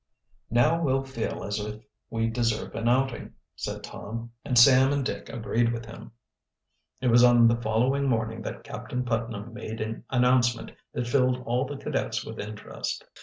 "Now we'll feel as if we deserve an outing," said Tom, and Sam and Dick agreed with him. It was on the following morning that Captain Putnam made an announcement that filled all of the cadets with interest.